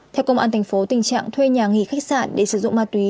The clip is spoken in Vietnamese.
theo công an tp tình trạng thuê nhà nghỉ khách sạn để sử dụng ma túy